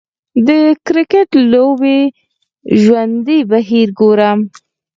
د کریکټ د لوبې ژوندی بهیر ګورم